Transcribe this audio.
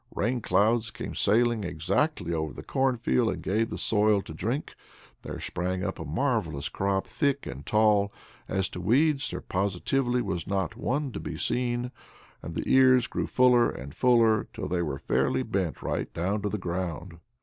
Rain clouds came sailing exactly over the cornfield and gave the soil to drink. There sprang up a marvellous crop tall and thick. As to weeds, there positively was not one to be seen. And the ears grew fuller and fuller, till they were fairly bent right down to the ground.